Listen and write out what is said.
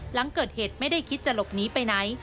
หลังเกิดเหตุไม่ได้คิดจะหลบหนีไปไหน